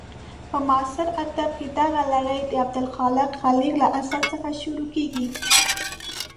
په معاصر ادب کې دغه لړۍ د عبدالخالق خلیق له اثر څخه شروع کېږي.